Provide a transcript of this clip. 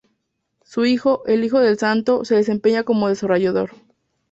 Su hijo, El Hijo del Santo, se desempeña como desarrollador.